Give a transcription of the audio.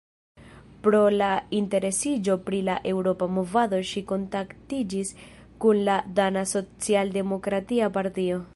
Pro la interesiĝo pri la eŭropa movado ŝi kontaktiĝis kun la dana socialdemokratia partio.